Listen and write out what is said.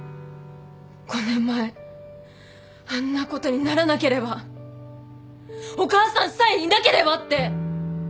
５年前あんなことにならなければお母さんさえいなければって！